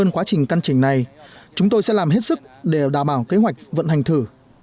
trong quá trình căn chỉnh này chúng tôi sẽ làm hết sức để đảm bảo kế hoạch vận hành thử